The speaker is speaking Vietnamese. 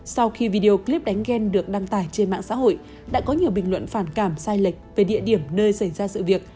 sau khi video clip đánh gen được đăng tải trên mạng xã hội đã có nhiều bình luận phản cảm sai lệch về địa điểm nơi xảy ra sự việc